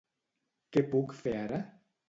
Què puc fer ara?